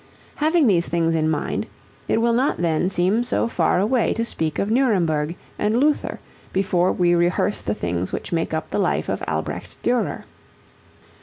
Having these things in mind, it will not then seem so far away to speak of Nuremberg and Luther before we rehearse the things which make up the life of Albrecht Durer.